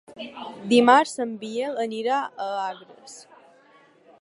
Dimarts en Biel anirà a Agres.